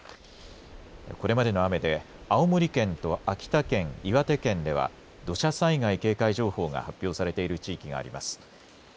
これまでの雨で青森県と秋田県岩手県では土砂災害警戒情報が発表されている地域があります。